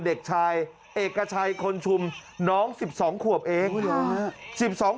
เด็กชายเอกชัยคนชุมน้อง๑๒ขวบเอง